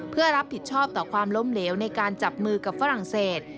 เพื่อรับผิดชอบต่อความล้มเหลวในการจับมือกับฝรั่งเศส